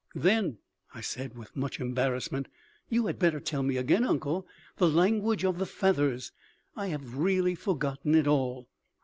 "Then," I said, with much embarrassment, "you had better tell me again, uncle, the language of the feathers. I have really forgotten it all."